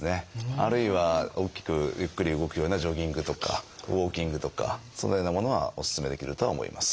あるいは大きくゆっくり動くようなジョギングとかウォーキングとかそのようなものはお勧めできるとは思います。